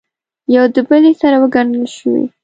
یو دبلې سره وګنډل شوې